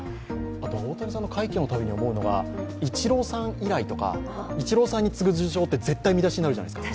大谷さんの快挙のたびに思うのがイチローさん以来とか、イチローさんに次ぐ受賞って絶対見出しになるじゃないですか。